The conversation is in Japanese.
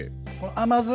甘酢？